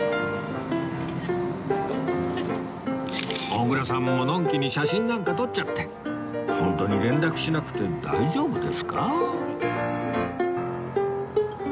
小倉さんものんきに写真なんか撮っちゃってホントに連絡しなくて大丈夫ですか？